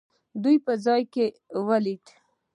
دوی په ځان کې لیدل.